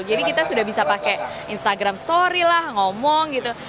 jadi kita sudah bisa pakai instagram story lah ngomong gitu